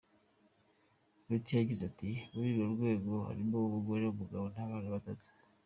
Vita yagize ati “Muri urwo rugo harimo umugore, umugabo n’abana batatu.